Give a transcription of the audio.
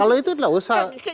kalau itu tidak usah